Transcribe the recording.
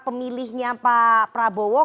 pemilihnya pak prabowo